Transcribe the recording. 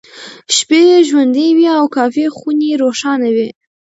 شپې یې ژوندۍ وې او کافيخونې روښانه وې.